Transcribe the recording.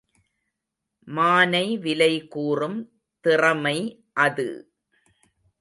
மானை விலைகூறும் திறமை அது!